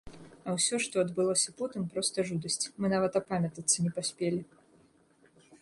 А ўсё, што адбылося потым, проста жудасць, мы нават апамятацца не паспелі.